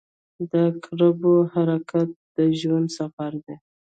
• د عقربو حرکت د ژوند سفر دی.